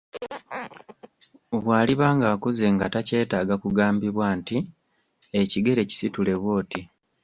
Bw'aliba ng'akuze nga takyetaaga kugambibwa nti; ekigere kisitule bw'oti.